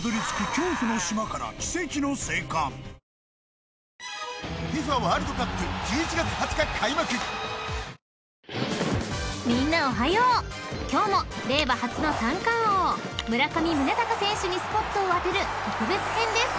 ［今日も令和初の三冠王村上宗隆選手にスポットを当てる特別編です］